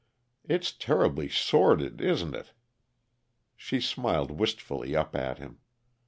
It's terribly sordid, isn't it?" She smiled wistfully up at him.